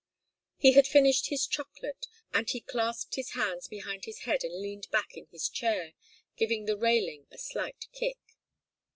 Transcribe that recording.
He had finished his chocolate, and he clasped his hands behind his head and leaned back in his chair, giving the railing a slight kick.